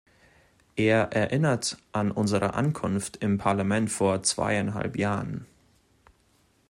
Er erinnert an unsere Ankunft im Parlament vor zweieinhalb Jahren.